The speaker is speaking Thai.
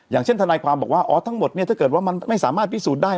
อย่างเช่นทนายความบอกว่าอ๋อทั้งหมดเนี่ยถ้าเกิดว่ามันไม่สามารถพิสูจน์ได้